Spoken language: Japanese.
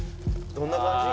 どんな感じ？